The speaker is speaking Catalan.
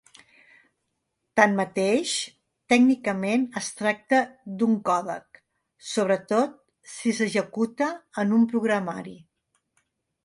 Tanmateix, tècnicament es tracta d'un còdec, sobretot si s'executa en un programari.